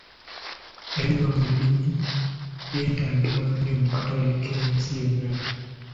Ebiva mu bulimi byetaagibwa nnyo mu katale k'ensi yonna.